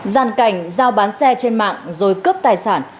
giàn cảnh giao bán xe trên mạng rồi cướp tài sản